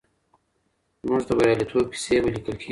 زموږ د بریالیتوب کیسې به لیکل کېږي.